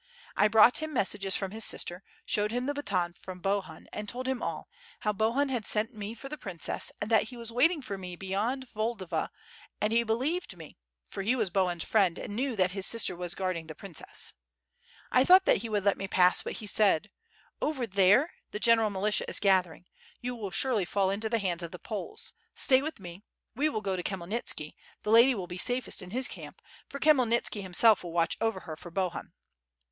I brought him mes sages from his sister, showed him the baton from Bohun, and told him all, how Bohun had sent me for the princess, and that he was waiting for me beyond Vlodava and he believed me, for he wns Bohun's friend and knew that his sister was guarding the princess; I thought that he would let me pass but he said: *()ver there the general militia is gathering; you will surely fall into the hands of the Poles; stay with me; we will go to Khmyelnitski, the lady will be safest in his Ctimp, for Khmyelnitski himself will watch over her for Bohun.'